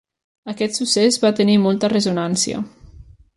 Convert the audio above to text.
Aquest succés va tenir molta ressonància.